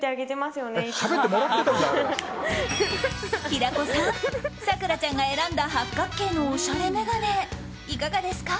平子さん、咲楽ちゃんが選んだ八角形のおしゃれ眼鏡いかがですか？